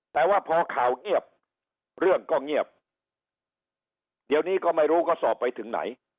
แต่ว่าพอข่าวเงียบเรื่องก็เงียบเดี๋ยวนี้ก็ไม่รู้ก็สอบไปถึงไหน